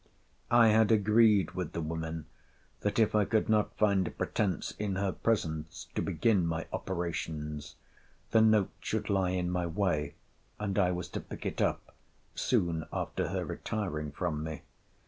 I had agreed with the women, that if I could not find a pretence in her presence to begin my operations, the note should lie in my way, and I was to pick it up, soon after her retiring from me.